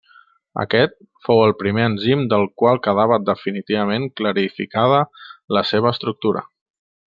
Aquest fou el primer enzim del qual quedava definitivament clarificada la seva estructura.